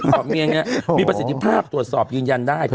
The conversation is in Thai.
เกาะเหนียงเนี่ยมีประสิทธิภาพตรวจสอบยืนยันได้